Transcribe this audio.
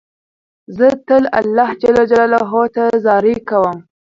زه تل الله جل جلاله ته زارۍ کوم.